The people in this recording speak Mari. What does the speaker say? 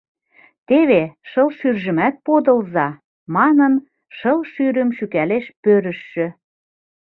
— Теве шыл шӱржымат подылза, — манын, шыл шӱрым шӱкалеш пӧрыжшӧ.